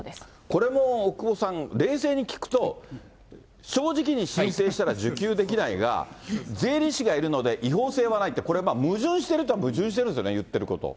これも奥窪さん、冷静に聞くと、正直に申請したら受給できないが、税理士がいるので、違法性はないって、これ、矛盾してるといえば矛盾してるんですよね、